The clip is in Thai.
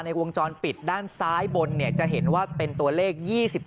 ในวงจรปิดด้านซ้ายบนเนี่ยจะเห็นว่าเป็นตัวเลข